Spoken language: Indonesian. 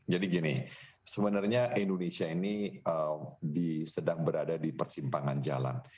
jadi gini sebenarnya indonesia ini sedang berada di persimpangan jalan